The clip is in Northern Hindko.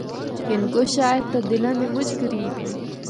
ہندکو شاعر تے دلا دے مُچ قریب ہن۔